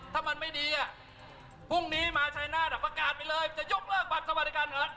ถ้ามันไม่ดีพรุ่งนี้มาชัยนาฏประกาศไปเลยจะยกเลิกบัตรสวัสดิการแห่งรัฐ